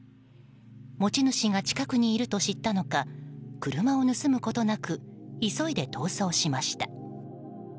持ち主が近くにいると知ったのか車を盗むことなく急いで逃走しました。